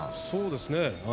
そうですね。